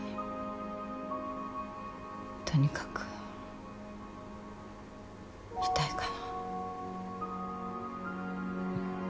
とにかく痛いかな。